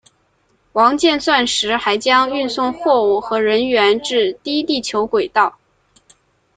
王剑钻石还将运送货物和人员至低地球轨道。